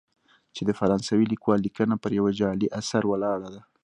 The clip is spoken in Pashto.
چې د فرانسوي لیکوال لیکنه پر یوه جعلي اثر ولاړه ده.